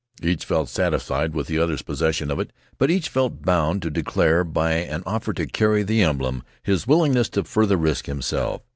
Each felt satisfied with the other's possession of it, but each felt bound to declare, by an offer to carry the emblem, his willingness to further risk himself.